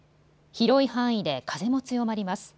広い範囲で風も強まります。